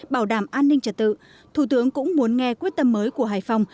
bảo đảm an ninh trật tự thủ tướng cũng muốn nghe quyết tâm mới của hải phòng